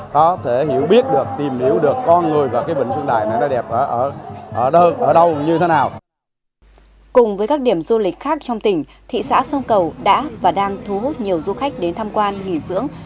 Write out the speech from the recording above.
cùng với các điểm du lịch khác trong tỉnh thị xã sông cầu đã và đang thu hút nhiều du khách đến tham quan nghỉ dưỡng